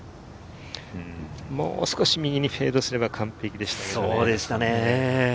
もう少し右にフェードすれば完璧でしたけどね。